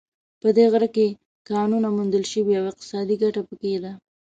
په دې غره کې کانونو موندل شوې او اقتصادي ګټه په کې ده